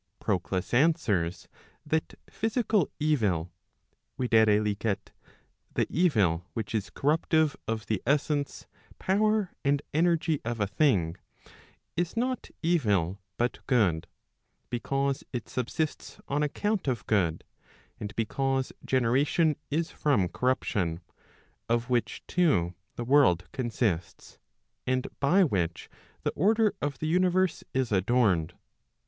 Proclus answers, that physical evil, viz. the evil which is corruptive of the essence, power and energy of a thing, is not evil but good, because it subsists on account of good, and because generation is from corruption, of which two the world consists, and by which the order of the universe is adorned.